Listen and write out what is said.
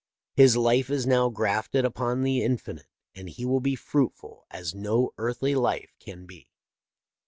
His life is now grafted upon the infinite, and will be fruitful as no earthly life can be.